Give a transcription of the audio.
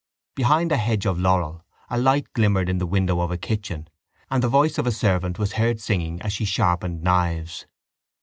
Behind a hedge of laurel a light glimmered in the window of a kitchen and the voice of a servant was heard singing as she sharpened knives.